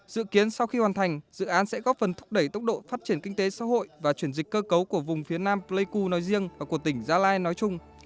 dự kiến sau khi hoàn thành dự án sẽ góp phần thúc đẩy tốc độ phát triển kinh tế xã hội và chuyển dịch cơ cấu của vùng phía nam pleiku nói riêng và của tỉnh gia lai nói chung